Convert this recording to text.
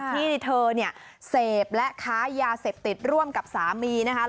ที่เธอเนี่ยเสพและค้ายาเสพติดร่วมกับสามีนะคะ